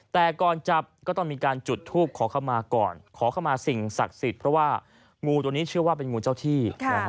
แต่ก่อนจับก็ต้องมีการจุดทูปขอเข้ามาก่อนขอเข้ามาสิ่งศักดิ์สิทธิ์เพราะว่างูตัวนี้เชื่อว่าเป็นงูเจ้าที่